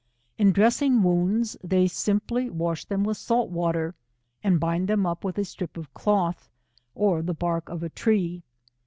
In dressing wounds, they simply wash them with salt water, and bind them up with a strip of cloth, or the bark of a tree.